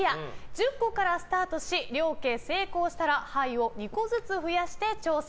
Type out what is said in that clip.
１０個からスタートし両家成功したら牌を２個ずつ増やして挑戦。